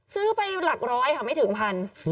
ซื้อไปหลักร้อยค่ะไม่ถึงพัน